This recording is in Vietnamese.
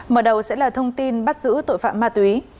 mở đầu sẽ là thông tin bắt giữ tội phạm ma túy